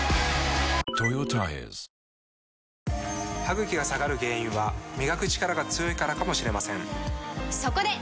ＪＴ歯ぐきが下がる原因は磨くチカラが強いからかもしれませんそこで！